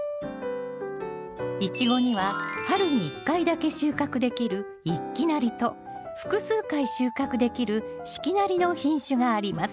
イチゴには春に１回だけ収穫できる一季なりと複数回収穫できる四季なりの品種があります。